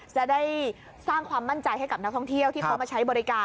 จะได้สร้างความมั่นใจให้กับนักท่องเที่ยวที่เขามาใช้บริการ